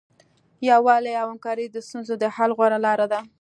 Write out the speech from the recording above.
یووالی او همکاري د ستونزو د حل غوره لاره ده.